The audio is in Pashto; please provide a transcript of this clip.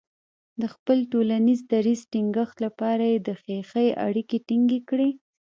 د خپل ټولنیز دریځ ټینګښت لپاره یې د خیښۍ اړیکې ټینګې کړې.